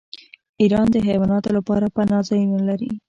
ایران د حیواناتو لپاره پناه ځایونه لري.